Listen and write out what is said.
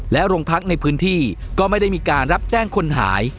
โรงพักในพื้นที่ก็ไม่ได้มีการรับแจ้งคนหาย